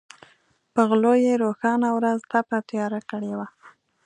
په غلو یې روښانه ورځ تپه تیاره کړې وه.